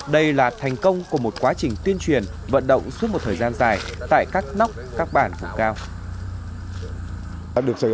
đây là thành công của một quá trình tuyên truyền vận động suốt một thời gian dài tại các nóc các bản vùng cao